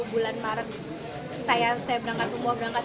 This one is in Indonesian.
bulan maret saya berangkat semua berangkat